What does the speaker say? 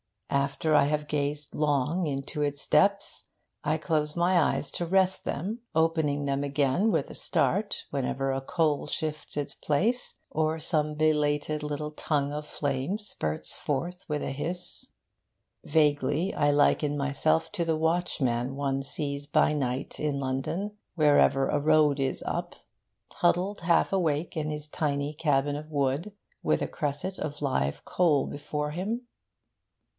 After I have gazed long into its depths, I close my eyes to rest them, opening them again, with a start, whenever a coal shifts its place, or some belated little tongue of flame spurts forth with a hiss.... Vaguely I liken myself to the watchman one sees by night in London, wherever a road is up, huddled half awake in his tiny cabin of wood, with a cresset of live coal before him....